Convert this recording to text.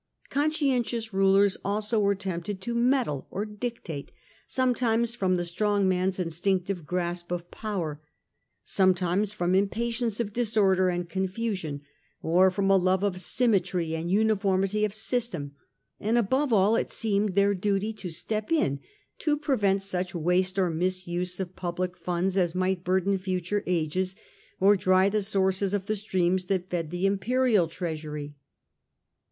Conscientious rulers also were tempted to meddle or dictate, sometimes from the strong man^s instinctive grasp of power, sometimes from impatience of disorder and confusion, or from a love of symmetry and uniformity of system ; and above all it seemed their duty to step in to prevent such waste or misuse of public funds as might burden future ages or dry the sources of the streams that fed the imperial treasury.